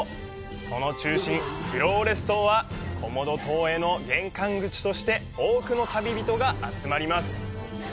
その中心、フローレス島はコモド島への玄関口として多くの旅人が集まります。